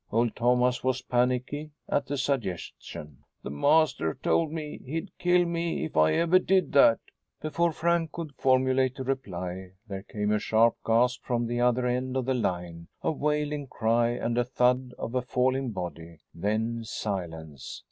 Old Thomas was panicky at the suggestion. "The master told me he'd kill me if I ever did that." Before Frank could formulate a reply, there came a sharp gasp from the other end of the line, a wailing cry and a thud as of a falling body; then silence.